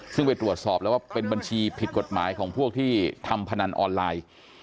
ซึ่งไปตรวจสอบแล้วว่าเป็นบัญชีผิดกฎหมายของพวกที่ทำพนันออนไลน์